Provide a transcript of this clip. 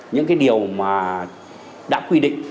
những cái điều mà đã quy định